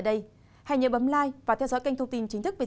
để có được những thông tin chính xác nhất